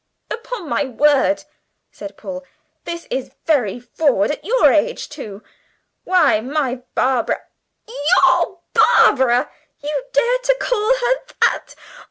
"Upon my word," said Paul, "this is very forward; at your age too. Why, my Barbara " "Your Barbara! you dare to call her that?